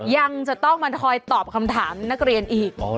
ยังจะต้องมาคอยตอบคำถามนักเรียนอีก